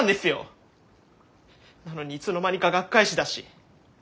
なのにいつの間にか学会誌だし。